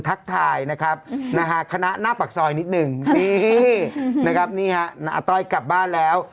ทักทายนะครับนะฮะคณะหน้าปากซอยนิดหนึ่งนี่นะครับนี่ฮะอาต้อยกลับบ้านแล้ว